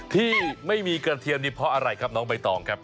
ที่ไม่มีกระเทียมนี่เพราะอะไรครับน้องใบตองครับ